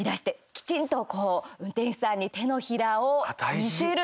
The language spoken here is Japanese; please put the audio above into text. きちんとこう運転手さんに手のひらを見せる。